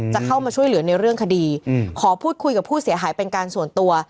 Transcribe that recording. จะเข้ามาช่วยเหลือในเรื่องคดีขอพูดคุยกับผู้เสียหายเป็นการส่วนตัว